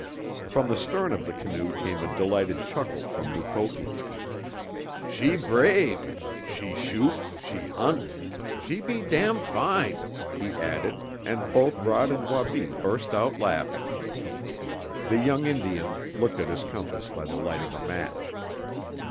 From the stern of the canoe came a delighted chuckle from Mukoki. "She brave she shoot, she hunt, she be dam' fine!" he added, and both Rod and Wabi burst out laughing. The young Indian looked at his compass by the light of a match.